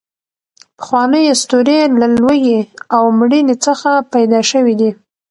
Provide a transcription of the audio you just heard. پخوانۍ اسطورې له لوږې او مړینې څخه پیدا شوې دي.